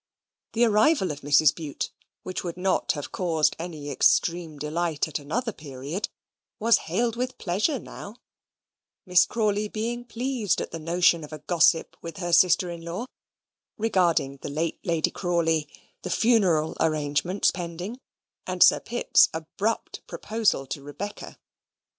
The arrival of Mrs. Bute, which would not have caused any extreme delight at another period, was hailed with pleasure now; Miss Crawley being pleased at the notion of a gossip with her sister in law regarding the late Lady Crawley, the funeral arrangements pending, and Sir Pitt's abrupt proposal to Rebecca.